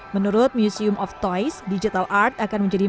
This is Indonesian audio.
menurut museum of toys digital art akan menjadi